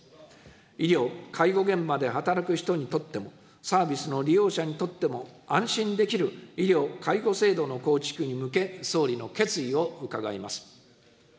医療・介護現場で働く人にとっても、サービスの利用者にとっても、安心できる医療・介護制度の構築に向け、総理の決意を伺います。